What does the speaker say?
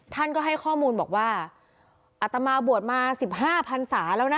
ท่านก็ให้ข้อมูลบอกว่าอัตมาบวชมา๑๕พันศาแล้วนะ